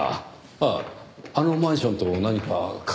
あああのマンションと何か関わりは？